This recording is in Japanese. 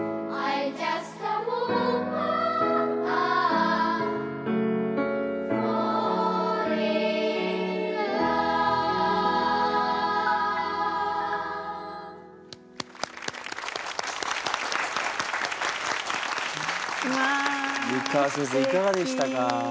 いかがでしたか？